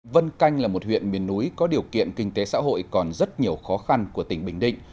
vân canh là một huyện miền núi có điều kiện kinh tế xã hội còn rất nhiều khó khăn của tỉnh bình định